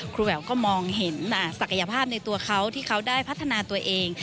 แหววก็มองเห็นศักยภาพในตัวเขาที่เขาได้พัฒนาตัวเอง